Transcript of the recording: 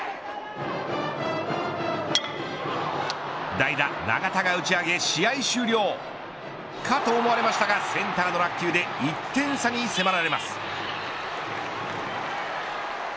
代打、永田が打ち上げ試合終了かと思われましたがセンターの落球で１点差に迫られます。